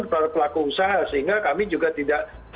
para pelaku usaha sehingga kami juga tidak